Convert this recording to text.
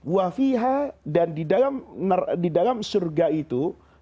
wafiha dan di dalam surga itu